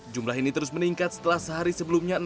jumlah ini terus meningkat setelah sehari sebelumnya